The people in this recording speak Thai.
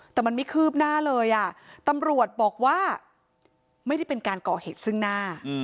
แต่มันไม่คืบหน้าเลยตำรวจบอกว่าไม่ได้เป็นการก่อเหตุซึ่งหน้า